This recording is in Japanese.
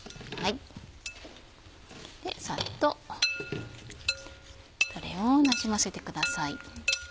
さっとタレをなじませてください。